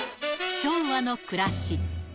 昭和の暮らし。